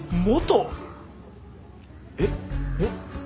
えっ？えっ？